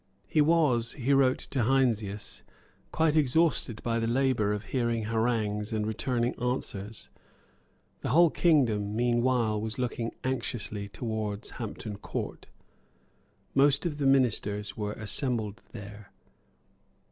He was, he wrote to Heinsius, quite exhausted by the labour of hearing harangues and returning answers. The whole kingdom meanwhile was looking anxiously towards Hampton Court. Most of the ministers were assembled there.